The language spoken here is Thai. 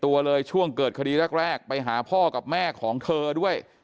ตัวเลยช่วงเกิดคดีแรกไปหาพ่อกับแม่ของเธอด้วย